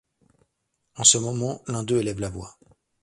En ce moment, l’un d’eux élève la voix.